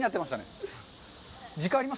時間あります？